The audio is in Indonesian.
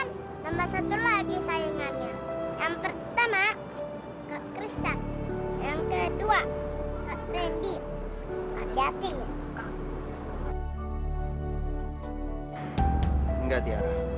lepasin pak randy